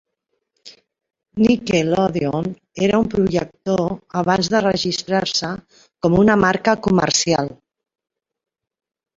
"Nickelodeon" era un projector abans de registrar-se com una marca comercial.